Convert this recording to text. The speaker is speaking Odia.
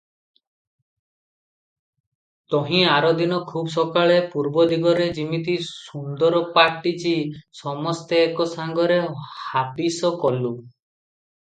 ତହିଁ ଆରଦିନ ଖୁବ୍ ସକାଳେ ପୂର୍ବଦିଗରେ ଯିମିତି ସୁନ୍ଦରାଫାଟିଛି, ସମସ୍ତେ ଏକ ସଙ୍ଗରେ ହାବିସ କଲୁଁ ।